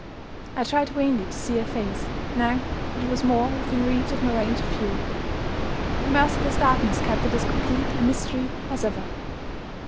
I tried vainly to see her face, now that it was more within reach of my range of view. The merciless darkness kept it as complete a mystery as ever.